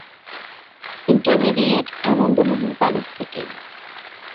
Intermediate Ananda Mohan college থেকে।